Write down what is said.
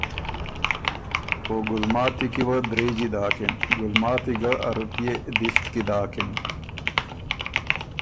او ګلماتی کی وه درېجی داکِن۔ ګلماتی ګه ا روپئے دِست کی داکِن